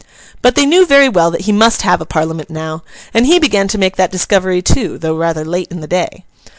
But they knew very well that he must have a Parliament now; and he began to make that discovery too, though rather late in the day.